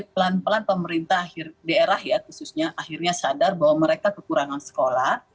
pelan pelan pemerintah akhirnya sadar bahwa mereka kekurangan sekolah